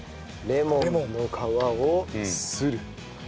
レモンの皮をする。